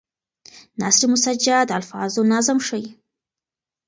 نثر مسجع د الفاظو نظم ښيي.